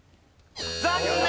残念！